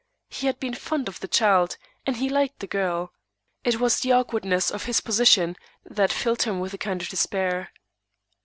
He had been fond of the child, and he liked the girl. It was the awkwardness of his position that filled him with a kind of despair.